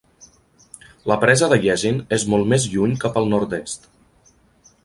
La presa de Yezin és molt més lluny cap al nord-est.